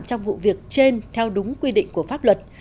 trong vụ việc trên theo đúng quy định của pháp luật